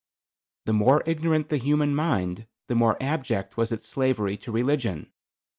"The more ignorant the human mind, the more abject was its slavery to religion.